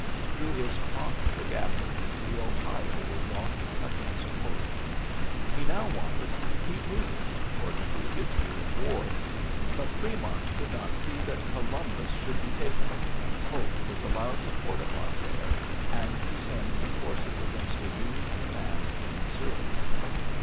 Through his ^prompt sagacity the Ohio was locked against Polk. He now wanted to ^* keep g moving,'' according to his view of war ; but Fr6mont could not see that Colum bus should be taken, and Polk was al lowed to fortify there and to send some jp^^ forces against a Union command in Mis souri.